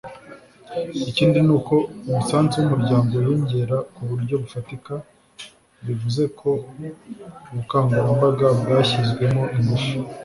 Ikindi ni uko umusanzu w’umuryango wiyongereye ku buryo bufatika bivuze ko ubukangurambaga bwashyizwemo ingufu